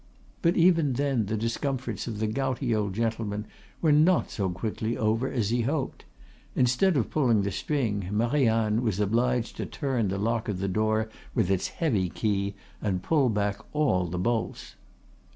But even then the discomforts of the gouty old gentleman were not so quickly over as he hoped. Instead of pulling the string, Marianne was obliged to turn the lock of the door with its heavy key, and pull back all the bolts.